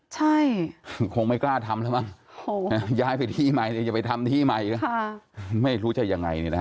ใช่คงไม่กล้าทำแล้วมั้งย้ายไปที่ใหม่อย่าไปทำที่ใหม่อีกค่ะไม่รู้จะยังไง